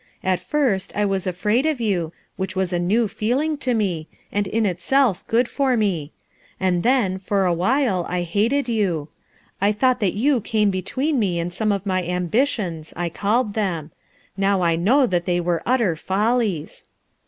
At first, I was afraid of you, which was a new feeling to nic, and in itself good for mo; and then, for a while, I hated you; I thought that you came between me and some of my ambitions, I called them; now I know that they were utter follies."